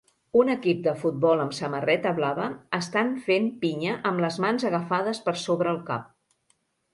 Un equip de futbol amb samarreta blava estan fent pinya amb les mans agafades per sobre el cap.